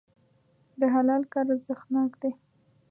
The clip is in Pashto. د حلال کار ارزښتناک دی.